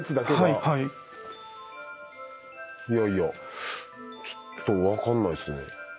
いやいやちょっと分かんないっすね。